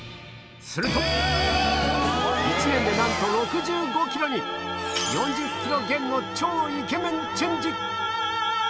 すると１年でなんと４０ｋｇ減の超イケメンチェンジ！